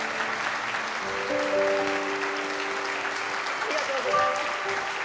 ありがとうございます。